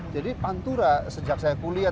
jadi pantura sejak saya kuliah